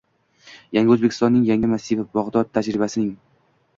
Yangi O‘zbekistonning yangi massivi: Bag‘dod tajribasing